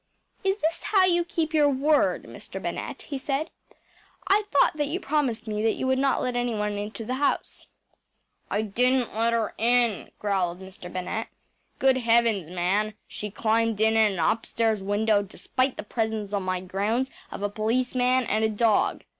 “Is this how you keep your word, Mr. Bennett?‚ÄĚ he said. “I thought that you promised me that you would not let anyone into the house.‚ÄĚ “I didn’t let her in,‚ÄĚ growled Mr. Bennett. “Good heavens, man, she climbed in at an upstairs window, despite the presence on my grounds of a policeman and a dog!